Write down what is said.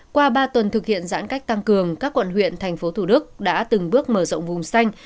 qua ba tuần thực hiện giãn cách tăng cường các quận huyện thành phố thủ đức đã từng bước mở rộng vùng xanh